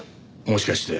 もしかして。